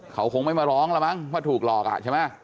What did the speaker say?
เขาคงไม่มาร้องแล้วมั้งว่าถูกหลอกอ่ะใช่ไหม